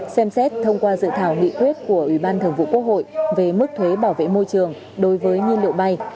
xem xét thông qua dự thảo nghị quyết của ủy ban thường vụ quốc hội về mức thuế bảo vệ môi trường đối với nhiên liệu bay